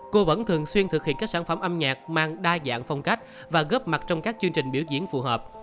cô vẫn thường xuyên thực hiện các sản phẩm âm nhạc mang đa dạng phong cách và góp mặt trong các chương trình biểu diễn phù hợp